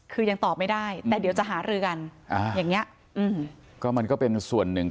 คือยังตอบไม่ได้แต่เดี๋ยวจะหารือกันอ่าอย่างเงี้ยอืมก็มันก็เป็นส่วนหนึ่ง